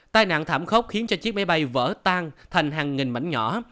thảm khốc khiến chiếc máy bay vỡ tan thành hàng nghìn mảnh nhỏ